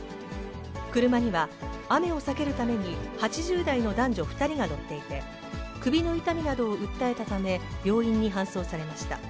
車には雨を避けるために８０代の男女２人が乗っていて、首の痛みなどを訴えたため、病院に搬送されました。